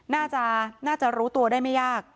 น่าจะรู้ตัวได้ไม่ยาก